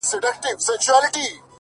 اوس نو تاسي راته ووایاست